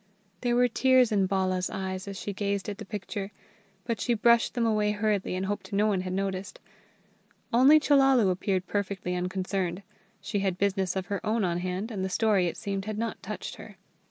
There were tears in Bala's eyes as she gazed at the picture, but she brushed them away hurriedly and hoped no one had noticed. Only Chellalu appeared perfectly unconcerned. She had business of her own on hand, and the story, it seemed, had not touched her.